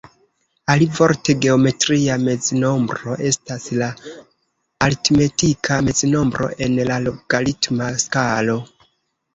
Alivorte, geometria meznombro estas la aritmetika meznombro en la logaritma skalo.